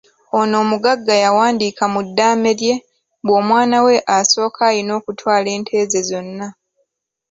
Ono omugagga ya wandiika mu ddaame lye mbu omwana we asooka ayina okutwala ente ze zonna.